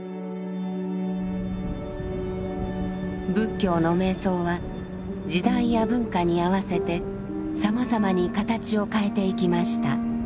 仏教の瞑想は時代や文化に合わせてさまざまに形を変えていきました。